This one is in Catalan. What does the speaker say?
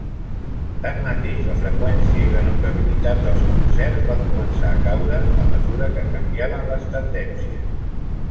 Tanmateix, la freqüència i la notabilitat dels concerts va començar a caure a mesura que canviaven les tendències.